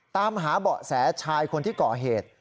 ตามหาเบาะแสชายคนที่ก่อเหตุ